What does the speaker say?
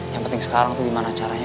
yang penting sekarang itu gimana caranya